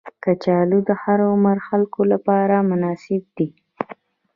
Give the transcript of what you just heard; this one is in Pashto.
کچالو د هر عمر خلکو لپاره مناسب دي